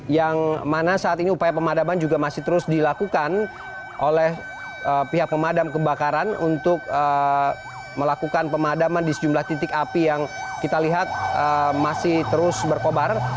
yang mana saat ini upaya pemadaman juga masih terus dilakukan oleh pihak pemadam kebakaran untuk melakukan pemadaman di sejumlah titik api yang kita lihat masih terus berkobar